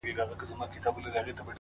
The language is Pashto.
پدرلعنته حادثه ده او څه ستا ياد دی،